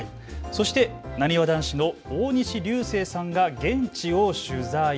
そして、なにわ男子の大西流星さんが現地を取材。